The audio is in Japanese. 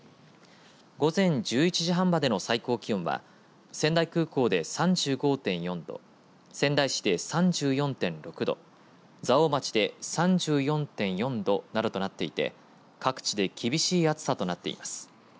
午前１１時半までの最高気温は仙台空港で３５．４度仙台市で３４．６度蔵王町で３４．４度などとなっていて各地で厳しい暑さとなっています。